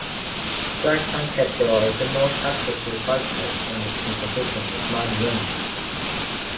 Jacques Anquetil is the most successful cyclist in this competition, with nine wins.